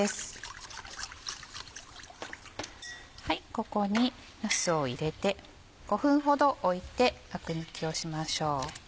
ここになすを入れて５分ほどおいてアク抜きをしましょう。